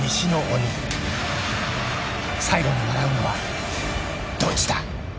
［最後に笑うのはどっちだ？］